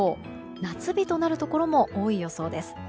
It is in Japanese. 夏日となるところも多い予想です。